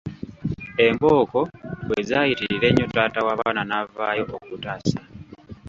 Embooko bwe zaayitirira ennyo taata w’abaana n’avaayo okutaasa.